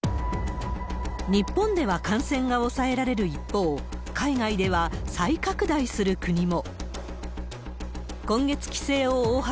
日本では感染が抑えられる一方、海外では再拡大する国も。